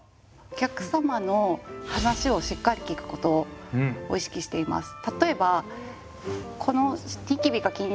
お客様の話をしっかり聞くことを意識しています。